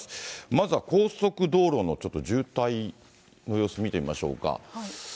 まずは高速道路のちょっと渋滞の様子見てみましょうか。